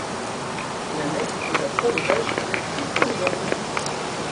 La nef est à trois étages avec triforium.